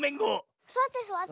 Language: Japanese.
すわってすわって。